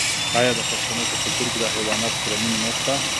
آیا د پښتنو په کلتور کې د حیواناتو سره مینه نشته؟